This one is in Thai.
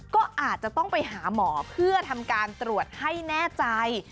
ก็อาจจะต้องไปหาหมอเพื่อทำการตรวจให้แน่ใจ